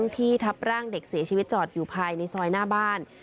ที่ทับร่างเด็กเสียชีวิตจอดอยู่ภายในซอยหน้าบ้าน